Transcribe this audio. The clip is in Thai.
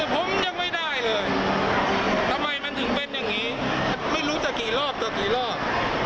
ผมยังไม่ได้เลยทำไมมันถึงเป็นอย่างนี้ไม่รู้จะกี่รอบต่อกี่รอบ